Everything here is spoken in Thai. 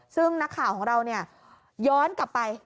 ซึ่งนักข่าวของเราเนี่ยย้อนกลับไป